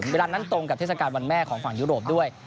เวลานั้นตรงกับเทศกาลวันแม่ของฝั่งยุโรปด้วย